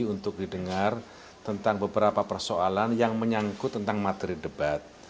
untuk didengar tentang beberapa persoalan yang menyangkut tentang materi debat